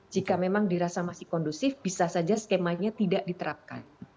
jika memang dirasa masih kondusif bisa saja skemanya tidak diterapkan